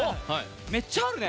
めっちゃあるね！